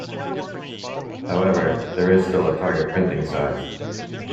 However, there is still a target printing size.